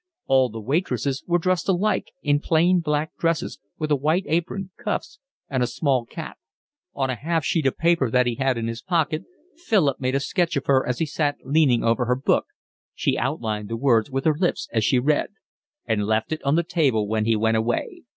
All the waitresses were dressed alike, in plain black dresses, with a white apron, cuffs, and a small cap. On a half sheet of paper that he had in his pocket Philip made a sketch of her as she sat leaning over her book (she outlined the words with her lips as she read), and left it on the table when he went away.